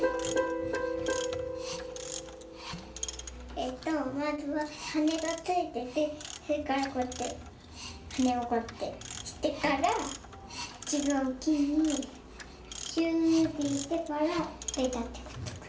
えっとまずははねがついててそれからこうやってはねをこうやってしてからちがうきにシューッていってからベタッてくっつく。